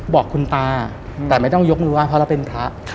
บอกคุณตาแต่ไม่ต้องยกมือไห้เพราะเราเป็นพระ